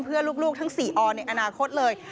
เพื่อลูกทั้ง๔ออนในอนาคตเลย